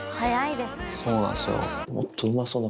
そうなんですよ。